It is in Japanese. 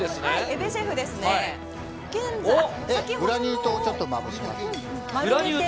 グラニュー糖をちょっとまぶします。